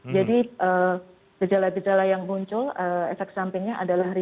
jadi gejala gejala yang muncul efek sampingnya adalah